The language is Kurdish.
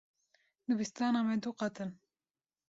Dibistana me du qat in.